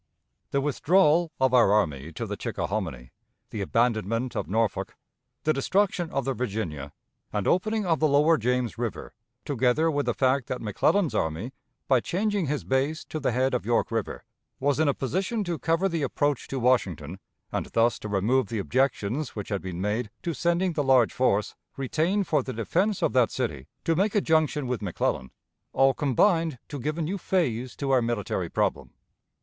The withdrawal of our army to the Chickahominy, the abandonment of Norfolk, the destruction of the Virginia, and opening of the lower James River, together with the fact that McClellan's army, by changing his base to the head of York River, was in a position to cover the approach to Washington, and thus to remove the objections which had been made to sending the large force, retained for the defense of that city, to make a junction with McClellan, all combined to give a new phase to our military problem.